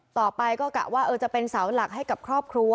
ต่อไปก็กะว่าจะเป็นเสาหลักให้กับครอบครัว